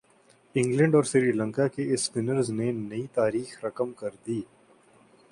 England اور سری لنکا کے spinners نے نئی تاریخ رقم کر دی